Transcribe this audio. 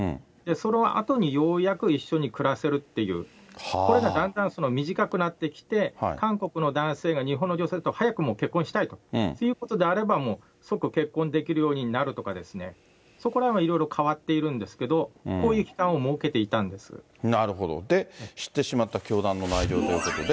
そのあとにようやく一緒に暮らせるっていう、これがだんだん短くなってきて、韓国の男性が日本の女性と早くもう結婚したいということであれば、もう即結婚できるようになるとかですね、そこらへんはいろいろ変わっているんですけれども、こういう期間なるほど、知ってしまった教団の内情ということで。